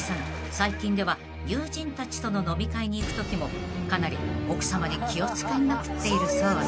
最近では友人たちとの飲み会に行くときもかなり奥さまに気を使いまくっているそうで］